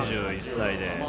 ２１歳で。